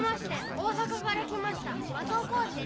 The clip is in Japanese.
おおさかから来ました松尾光司です。